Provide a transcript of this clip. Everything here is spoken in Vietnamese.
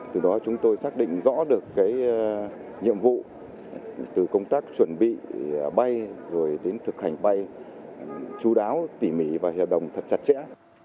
từ đó chúng tôi xác định rõ được nhiệm vụ từ công tác chuẩn bị bay rồi đến thực hành bay chú đáo tỉ mỉ và hiệp đồng thật chặt chẽ